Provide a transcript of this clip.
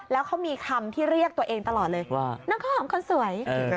แล้วเขามีคำที่เรียกตัวเองตลอดเลยว่าน้องข้าวหอมคนสวย